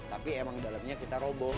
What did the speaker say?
tapi emang dalamnya kita roboh